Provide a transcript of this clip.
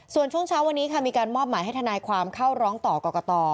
ส่วนช่วงเช้าวันนี้ค่ะมีการมอบหมายให้ทนายความเข้าร้องต่อกรกต